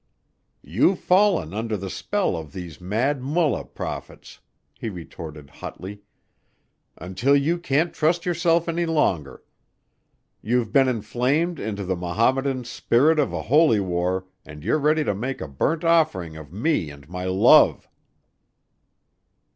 "You've fallen under the spell of these Mad Mullah prophets," he retorted hotly, "until you can't trust yourself any longer. You've been inflamed into the Mohammedan's spirit of a holy war and you're ready to make a burnt offering of me and my love."